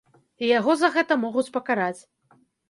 І яго за гэта могуць пакараць.